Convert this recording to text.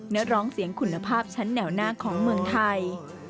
และร้องเสียงคุณภาพชั้นแนวหน้าของเมืองไทย